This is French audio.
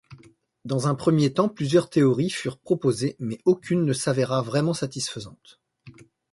Dans un premier temps plusieurs théories furent proposées, mais aucune ne s’avéra vraiment satisfaisante.